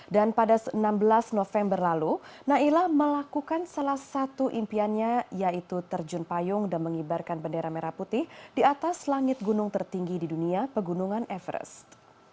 dan pada enam belas november lalu naila melakukan salah satu impiannya yaitu terjun payung dan mengibarkan bendera merah putih di atas langit gunung tertinggi di dunia pegunungan everest